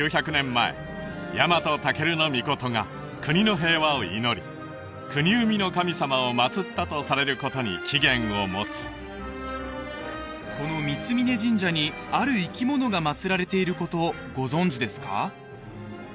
前ヤマトタケルノミコトが国の平和を祈り国産みの神様をまつったとされることに起源を持つこの三峯神社にある生き物がまつられていることをご存じですか？